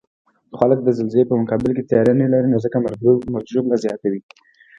خلک د زلزلې په مقابل کې تیاری نلري، نو ځکه مرګ ژوبله زیاته وی